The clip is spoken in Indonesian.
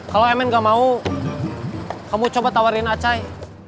kalau emman gak mau kamu coba tawarin acay